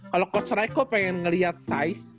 kalo coach raiko pengen ngeliat size